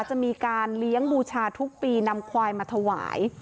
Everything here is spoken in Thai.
จะมีการเลี้ยงบูชาทุกปีนำควายมาถวาย